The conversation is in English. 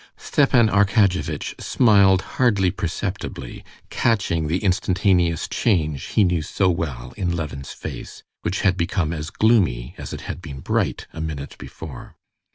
Stepan Arkadyevitch smiled hardly perceptibly, catching the instantaneous change he knew so well in Levin's face, which had become as gloomy as it had been bright a minute before.